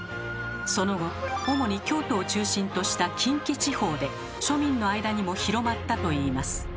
その後主に京都を中心とした近畿地方で庶民の間にも広まったといいます。